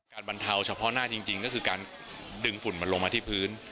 บรรเทาเฉพาะหน้าจริงก็คือการดึงฝุ่นมันลงมาที่พื้น